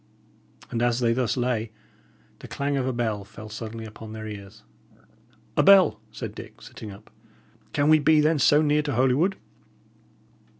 And as they thus lay, the clang of a bell fell suddenly upon their ears. "A bell!" said Dick, sitting up. "Can we be, then, so near to Holywood?"